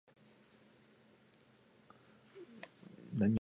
The Denison River and Little Forester River each form part of the western boundary.